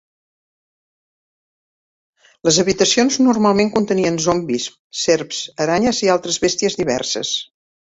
Les habitacions normalment contenien zombis, serps, aranyes i altres bèsties diverses.